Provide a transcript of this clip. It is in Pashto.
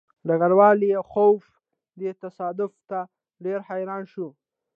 ډګروال لیاخوف دې تصادف ته ډېر حیران شو